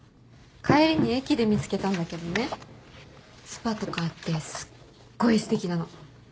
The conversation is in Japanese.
帰りに駅で見つけたんだけどねスパとかあってすっごいすてきなの。